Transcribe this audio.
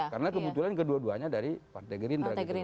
karena kebetulan kedua duanya dari partai gerindra